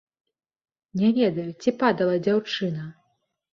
Не ведаю, ці падала дзяўчына.